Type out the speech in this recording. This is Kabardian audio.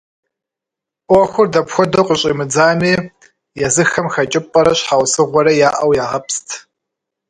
Ӏуэхур дапхуэдэу къыщӏимыдзами, езыхэм хэкӏыпӏэрэ щхьэусыгъуэрэ яӏэу ягъэпст.